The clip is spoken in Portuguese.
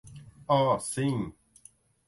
Oh sim.